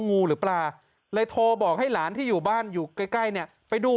งูหรือปลาเลยโทรบอกให้หลานที่อยู่บ้านอยู่ใกล้ใกล้เนี่ยไปดู